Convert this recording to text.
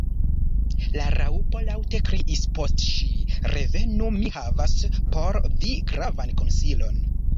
La Raŭpo laŭte kriis post ŝi. "Revenu! mi havas por vi gravan konsilon."